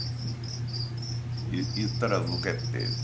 言ったら動けって。